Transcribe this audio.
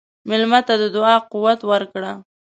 مېلمه ته د دعا قوت ورکړه.